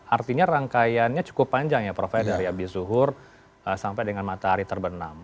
artinya rangkaiannya cukup panjang ya prof ya dari abis zuhur sampai dengan matahari terbenam